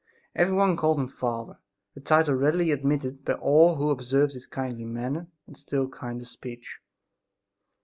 Everyone called him "Father," a title readily admitted by all who observed his kindly manner and still, kinder speech.